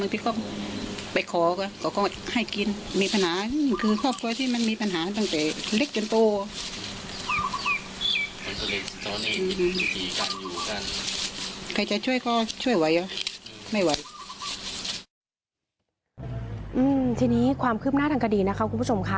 ทีนี้ความคืบหน้าทางคดีนะคะคุณผู้ชมค่ะ